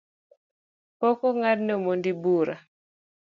Pok ong’adne omondi Bura